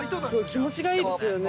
気持ちいいですよね。